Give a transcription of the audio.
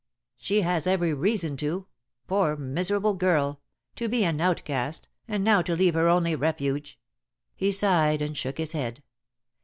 "She has every reason to. Poor, miserable girl! to be an outcast, and now to leave her only refuge," he sighed and shook his head.